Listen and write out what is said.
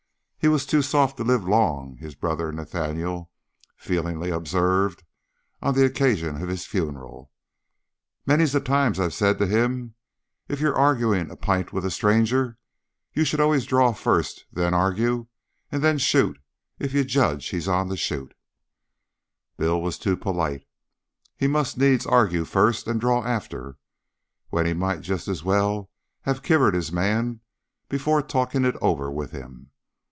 "He was too soft to live long," his brother Nathaniel feelingly observed, on the occasion of his funeral. "Many's the time I've said to him, 'If you're arguin' a pint with a stranger, you should always draw first, then argue, and then shoot, if you judge that he's on the shoot.' Bill was too purlite. He must needs argue first and draw after, when he might just as well have kivered his man before talkin' it over with him."